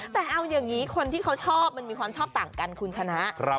แต่เอาอย่างนี้คนที่เขาชอบมันมีความชอบต่างกันคุณชนะ